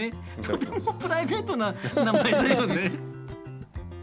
とてもプライベートな名前だよね。